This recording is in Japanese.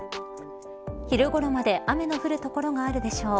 昼ごろまで雨が降る所があるでしょう。